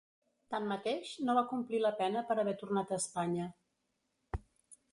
Tanmateix, no va complir la pena per haver tornat a Espanya.